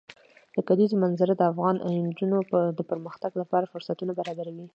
د کلیزو منظره د افغان نجونو د پرمختګ لپاره فرصتونه برابروي.